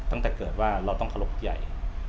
ตั้งแต่เกิดว่าเราต้องเคารพใหญ่